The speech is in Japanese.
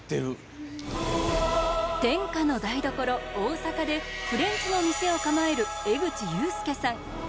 天下の台所、大阪でフレンチの店を構える江口雄介さん。